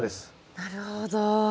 なるほど。